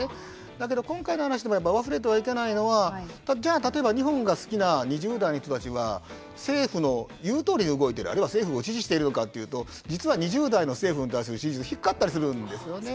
だけど、今回の話で忘れてはいけないのはじゃあ例えば日本が好きな２０代の人たちは政府の言うとおりに動いているあるいは政府を支持しているのかというと実は２０代の政府に対する支持は低かったりするんですよね。